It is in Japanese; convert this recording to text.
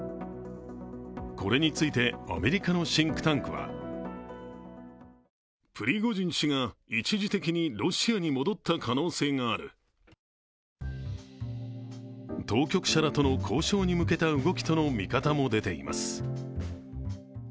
これについてアメリカのシンクタンクは当局者らとの交渉に向けた動きとの見方も出ています。